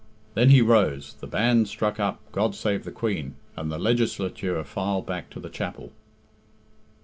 Then he rose, the band struck up "God save the Queen," and the Legislature filed back to the chapel.